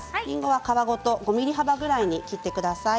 皮ごと５ｍｍ幅ぐらいに切ってください。